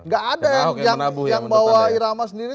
gak ada yang bawa irama sendiri